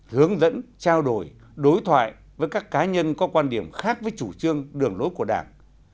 hướng dẫn trao đổi đối thoại với các cá nhân có quan điểm khác với chủ trương đường lối của đảng